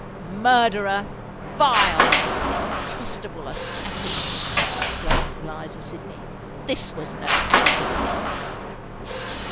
"Murderer!—vile—detestable assassin!" exclaimed Eliza Sydney: "this was no accident!"